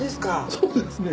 そうですね。